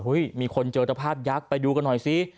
มีคนเจอตะภาพยักษ์ไปดูกันหน่อยสิ